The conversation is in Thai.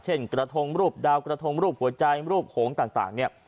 กระทงรูปดาวกระทงรูปหัวใจรูปโขงต่างเนี่ย